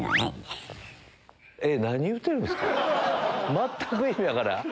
全く意味分からん。